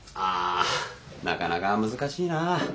あなかなか難しいな。